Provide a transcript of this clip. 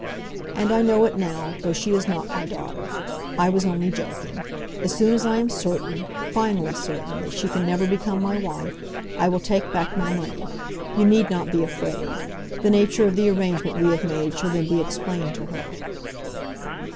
"And I know it now, though she is not my daughter. I was only joking. As soon as I am certain, finally certain, that she can never become my wife, I will take back my money. You need not be afraid. The nature of the arrangement we have made shall then be explained to her."